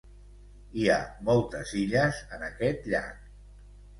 Hi ha moltes illes en aquest llac.